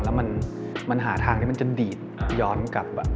แล้วมันหาทางที่มันจะดีดย้อนกลับ